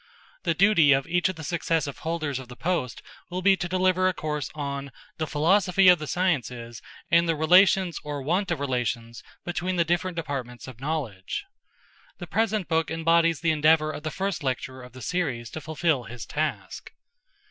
The duty of each of the successive holders of the post will be to deliver a course on 'the Philosophy of the Sciences and the Relations or Want of Relations between the different Departments of Knowledge.' The present book embodies the endeavour of the first lecturer of the series to fulfil his task.